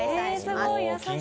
すごい優しい。